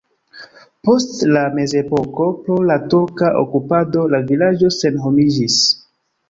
Post la mezepoko pro la turka okupado la vilaĝo senhomiĝis.